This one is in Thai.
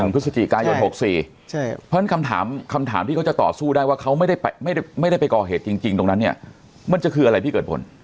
พฤศจิกายน๖๔เพราะฉะนั้นคำถามคำถามที่เขาจะต่อสู้ได้ว่าเขาไม่ได้ไปก่อเหตุจริงตรงนั้นเนี่ยมันจะคืออะไรพี่เกิดผล